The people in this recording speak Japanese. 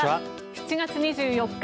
７月２４日